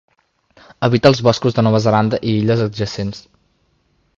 Habita els boscos de Nova Zelanda i illes adjacents.